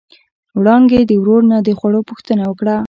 وړانګې د ورور د نه خوړو پوښتنه وکړه.